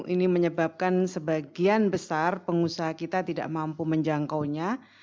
ini menyebabkan sebagian besar pengusaha kita tidak mampu menjangkaunya